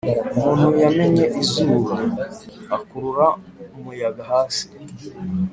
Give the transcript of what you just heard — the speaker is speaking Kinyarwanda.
umuntu yamennye izuba, akurura umuyaga hasi.